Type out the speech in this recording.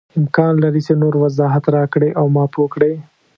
امکان لري چې نور وضاحت راکړې او ما پوه کړې.